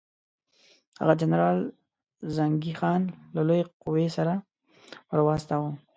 هغه جنرال زنګي خان له لویې قوې سره ورواستاوه.